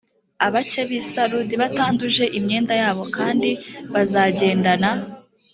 abake b‘i sarudi batanduje imyenda yabo kandi bazagendana